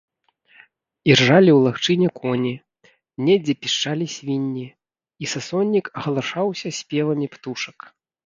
Іржалі ў лагчыне коні, недзе пішчалі свінні, і сасоннік агалашаўся спевамі птушак.